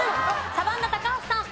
サバンナ高橋さん。